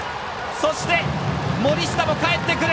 そして、森下もかえってくる！